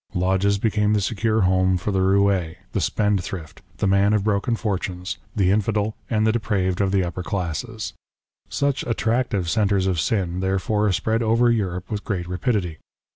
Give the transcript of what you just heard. Lodges became the secure home for the roue, the spendthrift, the man of broken fortunes, the Infidel, and the depraved of the upper classes. Such attractive centres of sin, therefore, spread over Europe with great rapidity.